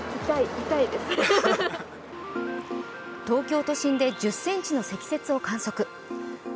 東京都心で１０ｃｍの積雪を観測。